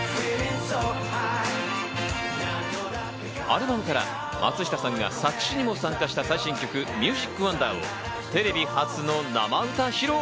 アルバムから松下さんが作詞にも参加した最新曲『ＭＵＳＩＣＷＯＮＤＥＲ』をテレビ初の生歌披露！